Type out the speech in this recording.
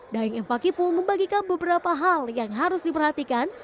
daeng m fakih pun membagikan beberapa hal yang harus diperhatikan